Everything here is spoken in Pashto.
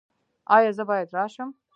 ایا زه باید راشم؟